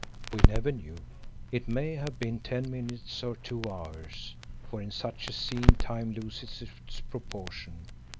We never knew. It may have been ten minutes or two hours, for in such a scene time loses its proportion.